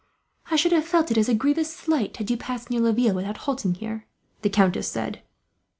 "I should have felt it as a grievous slight, had you passed near Laville without halting here," the countess said.